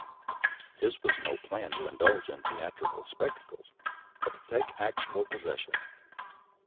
His was no plan to indulge in theatrical spectacles, but to take actual possession.